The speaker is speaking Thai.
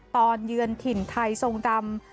เยือนถิ่นไทยทรงดำ